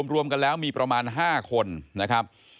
รวมกันแล้วมีประมาณ๕คนนะครับ